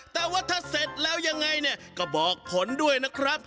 แต่ว่าถ้าเสร็จแล้วยังไงเนี่ยก็บอกผลด้วยนะครับ